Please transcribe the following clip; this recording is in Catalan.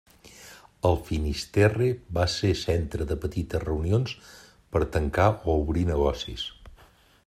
El Finisterre va ser centre de petites reunions per tancar o obrir negocis.